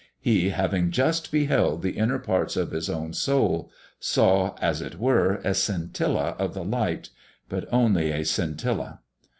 He, having just beheld the inner parts of his own soul, saw, as it were, a scintilla of the light but only a scintilla.